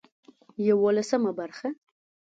يولسمه برخه